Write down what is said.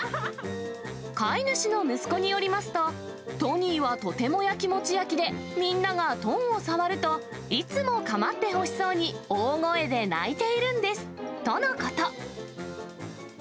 飼い主の息子によりますと、トニーはとてもやきもちやきで、みんながトンを触ると、いつも構ってほしそうに大声で鳴いているんですとのこと。